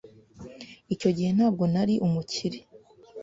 Icyo gihe ntabwo nari umukire.